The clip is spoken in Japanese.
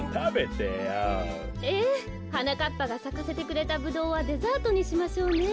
はなかっぱがさかせてくれたブドウはデザートにしましょうね。